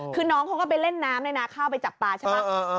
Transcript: คือน้องเขาก็ไปเล่นน้ำในนาข้าวไปจับปลาใช่ไหม